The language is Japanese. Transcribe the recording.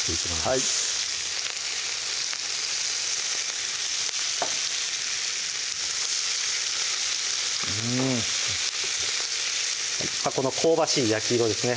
はいうんこの香ばしい焼き色ですね